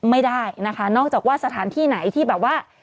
ไม่ได้นะคะนอกจากว่าสถานที่ไหนที่แบบว่า